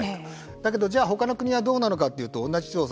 だけどじゃあ他の国はどうなのかというと同じ調査